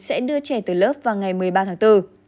sẽ đưa trẻ từ lớp vào ngày một mươi ba tháng bốn